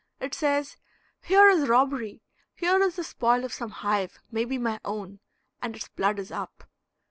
It says, "Here is robbery; here is the spoil of some hive, may be my own," and its blood is up.